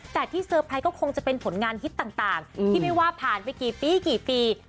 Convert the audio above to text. แต่ที่เซอร์ไพรส์ก็คงจะเป็นผลงานฮิตต่างที่ไม่ว่าผ่านไปกี่ปีกี่ปี